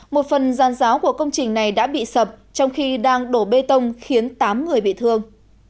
một phần giàn giáo của công trình này đã bị sập trong khi đang đổ bê tông khiến tám người bị thương